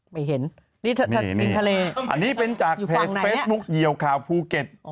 ไม่เห็นนี่ถ้าดินทะเลอยู่ฝั่งไหนอันนี้เป็นจากเพจเฟสบุ๊คเยียวข่าวภูเก็ต